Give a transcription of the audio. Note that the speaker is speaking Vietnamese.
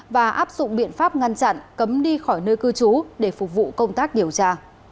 và áp dụng biện pháp ngăn chặn cấm đi khỏi nơi cư trú để phục vụ công tác điều tra